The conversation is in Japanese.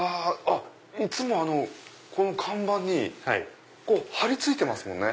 いつもこの看板に張り付いてますもんね。